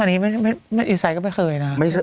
อันนี้แม่อีไซน์ก็ไม่เคยนะ